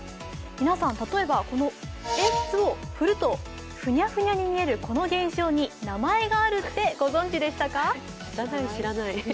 皆さん、例えばこの鉛筆を振るとふにゃふにゃに見えるこの現象に名前があるってご存じでしたか？